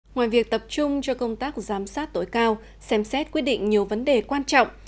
ngoài việc tập trung cho công tác giám sát tối cao xem xét quyết định nhiều vấn đề quan trọng